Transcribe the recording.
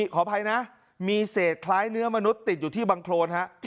ขออภัยนะมีเศษคล้ายเนื้อมนุษย์ติดอยู่ที่บังโครนฮะ